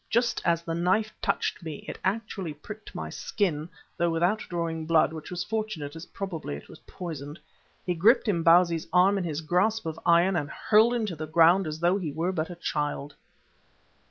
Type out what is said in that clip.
Just as the knife touched me it actually pricked my skin though without drawing blood, which was fortunate as probably it was poisoned he gripped Imbozwi's arm in his grasp of iron and hurled him to the ground as though he were but a child.